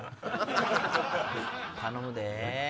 頼むで！